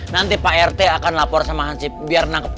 nanti pak rete akan lapor sama hansip biar nangkep